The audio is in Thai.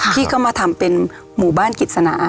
ที่ก็มาทำเป็นหมู่บ้านกิจสนา